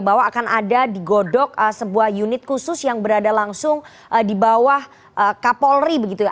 bahwa akan ada digodok sebuah unit khusus yang berada langsung di bawah kapolri begitu ya